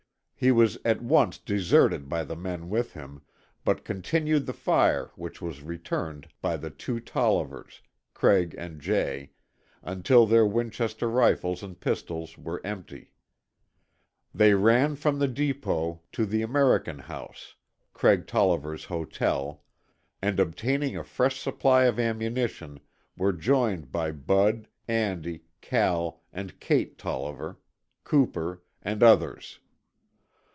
He was at once deserted by the men with him, but continued the fire which was returned by the two Tollivers, Craig and Jay, until their Winchester rifles and pistols were empty. They ran from below the depot to the American House, Craig Tolliver's hotel, and obtaining a fresh supply of ammunition, were joined by Bud, Andy, Cal and Cate Tolliver, Cooper and others.